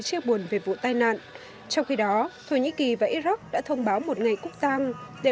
chia buồn về vụ tai nạn trong khi đó thổ nhĩ kỳ và iraq đã thông báo một ngày quốc tang để